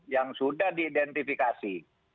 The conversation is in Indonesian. yang sudah diidentifikasi